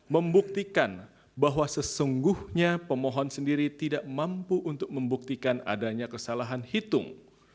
membuktikan bahwa sesungguhnya pemohon sendiri tidak mampu untuk membuktikan adanya kesalahan hitung